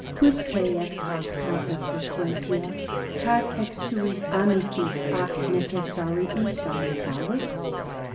Quis te ex hac tanta frequentia, tot ex tuis amicis ac necessariis salutavit?